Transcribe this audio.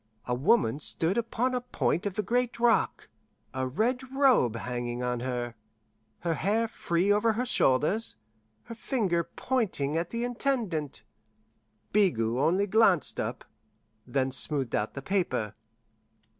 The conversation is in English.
A woman stood upon a point of the great rock, a red robe hanging on her, her hair free over her shoulders, her finger pointing at the Intendant. Bigot only glanced up, then smoothed out the paper.